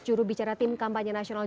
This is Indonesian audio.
jurubicara tim kampanye tersebut berkata